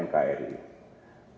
punya undang undang dasar semesta